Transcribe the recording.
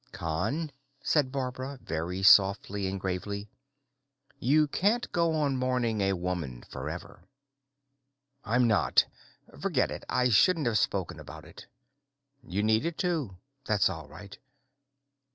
"Con," said Barbara, very softly and gravely, "you can't go on mourning a woman forever." "I'm not. Forget it. I shouldn't have spoken about it." "You needed to. That's all right."